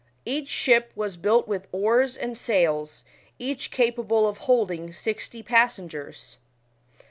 Each ship was built with oars and sails, each cap abL of holding sixty passengers.